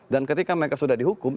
dan ketika mereka sudah dihukum